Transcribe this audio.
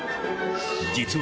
実は